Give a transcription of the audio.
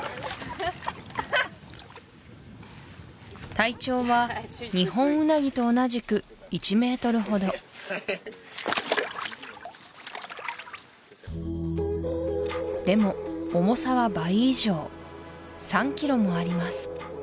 体長はニホンウナギと同じく１メートルほどでも重さは倍以上３キロもあります